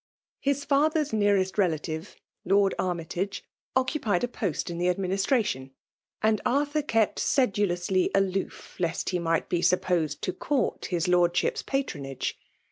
His father^s neAr^ relative. Lord Armytage, occupied a poat ill the administration; and Arthur kept sed^* FEMALE DOMINATION. 293 lously aloof^ lest he might be 8upi)osed to court his Lordship's patronage.